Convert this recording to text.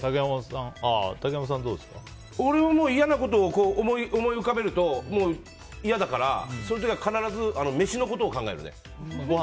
俺は嫌なことを思い浮かべると嫌だからそういう時は必ずめしのことを考えるね。